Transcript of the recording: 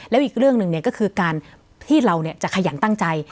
แล้วอีกเรื่องหนึ่งก็คือการที่เราจะขยันตั้งใจ